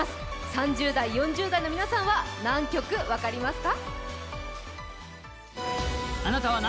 ３０代・４０代の皆さんは何曲分かりますか？